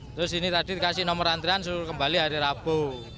terus ini tadi dikasih nomor antrian suruh kembali hari rabu